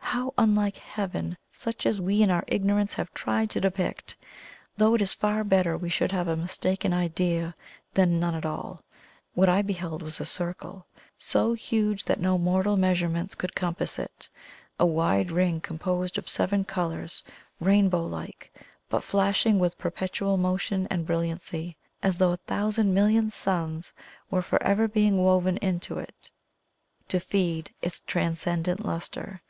How unlike Heaven such as we in our ignorance have tried to depict! though it is far better we should have a mistaken idea than none at all. What I beheld was a circle, so huge that no mortal measurements could compass it a wide Ring composed of seven colours, rainbow like, but flashing with perpetual motion and brilliancy, as though a thousand million suns were for ever being woven into it to feed its transcendent lustre.